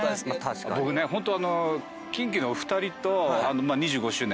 僕ねホントキンキのお二人と。